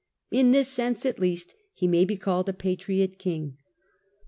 In this sense at least he may be called a patriot king.